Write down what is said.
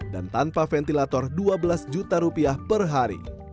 dan tanpa ventilator dua belas juta rupiah per hari